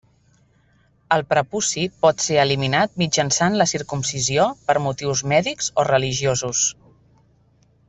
El prepuci pot ser eliminat mitjançant la circumcisió per motius mèdics o religiosos.